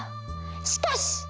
しかし！